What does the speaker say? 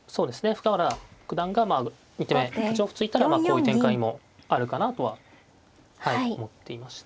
深浦九段が２手目８四歩突いたらこういう展開もあるかなとは思っていました。